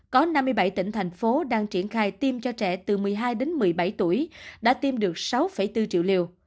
có năm mươi bảy tỉnh thành phố đang triển khai tiêm cho trẻ từ một mươi hai đến một mươi bảy tuổi đã tiêm được sáu bốn triệu liều